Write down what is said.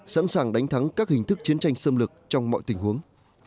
sẵn sàng đánh thắng các hình thức chiến tranh xâm lược trong mọi tình huống